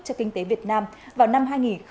cho kinh tế việt nam vào năm hai nghìn ba mươi